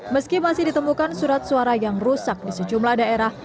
meski masih ditemukan surat suara yang rusak di sejumlah daerah